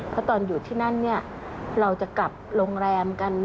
เพราะตอนอยู่ที่นั่นเราจะกลับโรงแรมกัน